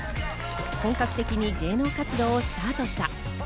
本格的に芸能活動をスタートした。